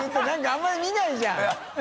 燭あんまり見ないじゃん。